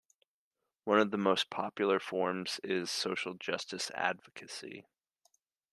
One of the most popular forms is social justice advocacy.